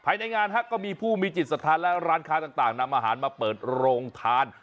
ภายในงานก็มีผู้มีจิตสถานและร้านค้าต่างนำอาหารมาเปิดโรงทาน